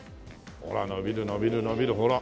ほら伸びる伸びる伸びるほら！